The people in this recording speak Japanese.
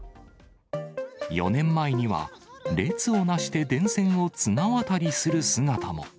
４年前には、列をなして電線を綱渡りする姿も。